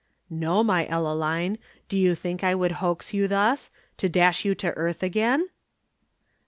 "No, my Ellaline. Do you think I would hoax you thus to dash you to earth again?"